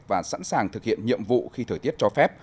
và sẵn sàng thực hiện nhiệm vụ khi thời tiết cho phép